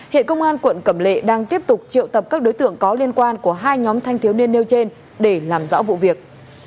hiện công an quận cẩm lệ đang tiếp tục triệu tập các đối tượng có liên quan của hai nhóm thanh thiếu niên nêu trên để làm rõ vụ việc